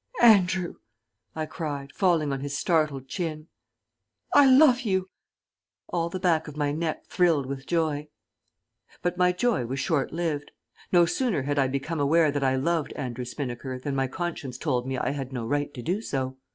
"Andrew," I cried, falling on his startled chin, "I love you." All the back of my neck thrilled with joy. But my joy was shortlived. No sooner had I become aware that I loved Andrew Spinnaker than my conscience told me I had no right to do so.